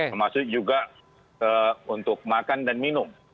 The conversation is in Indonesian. termasuk juga untuk makan dan minum